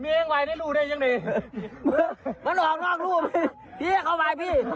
มันออกนอกรู้พี่เขาไว้พี่